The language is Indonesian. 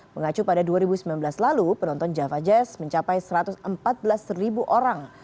mengacu pada dua ribu sembilan belas lalu penonton java jazz mencapai satu ratus empat belas ribu orang